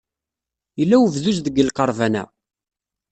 Yella webduz deg lqerban-a?